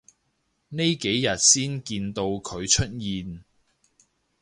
呢幾日先見到佢出現